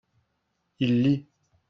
il lit.